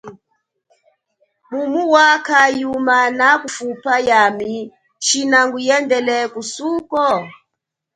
Mumu wakha yuma nakufupa yami shina nguyendele kusuko?